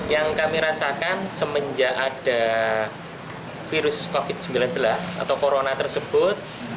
yang kami rasakan semenjak ada virus covid sembilan belas atau corona tersebut